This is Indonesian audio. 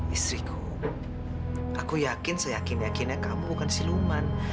istriku aku yakin seyakin yakinnya kamu bukan si luman